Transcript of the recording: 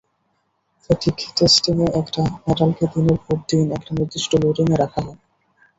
Fatigue টেস্টিং-এ একটা মেটালকে দিনের পর দিন একটা নির্দিষ্ট লোডিং-এ রাখা হয়।